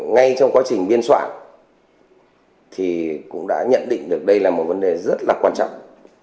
ngay trong quá trình biên soạn thì cũng đã nhận định được đây là một vấn đề rất là quan trọng